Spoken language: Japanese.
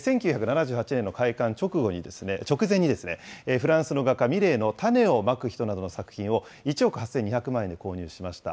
１９７８年の開館直前に、フランスの画家、ミレーの種をまく人などの作品を、１億８２００万円で購入しました。